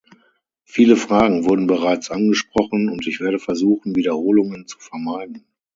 Viele Fragen wurden bereits angesprochen, und ich werde versuchen, Wiederholungen zu vermeiden.